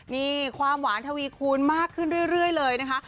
นี่ความหวานทวีคูณมากขึ้นเรื่อยเลยนะคะ